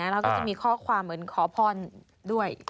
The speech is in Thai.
แล้วก็จะมีข้อความเหมือนขอพรด้วย